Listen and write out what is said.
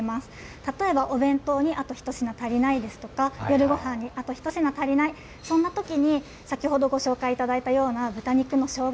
例えばお弁当にあと一品足りないですとか、夜ごはんにあと一品足りない、そんなときに、先ほどご紹介いただいたような豚肉のしょうが